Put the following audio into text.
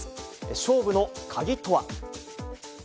勝負の鍵とは。